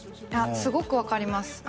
すごく分かります